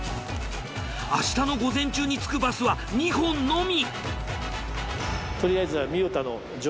明日の午前中に着くバスは２本のみ。